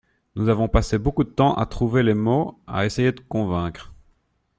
Nous avons passé beaucoup de temps à trouver les mots, à essayer de convaincre.